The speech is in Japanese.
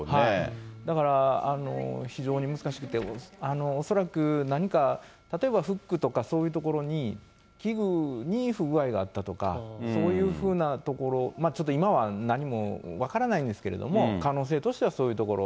だから、非常に難しくて、恐らく何か、例えばフックとか、そういうところに器具に不具合があったとか、そういうふうなところ、ちょっと今は何も分からないんですけども、可能性としてはそういうところ。